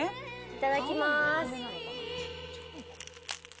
いただきます。